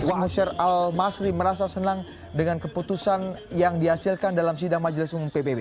wangsir al masri merasa senang dengan keputusan yang dihasilkan dalam sidang majelis umum pbb